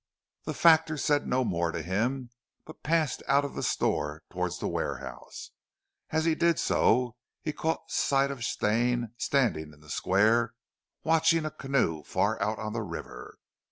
The factor said no more to him, but passed out of the store towards the warehouse. As he did so he caught sight of Stane standing in the Square watching a canoe far out on the river.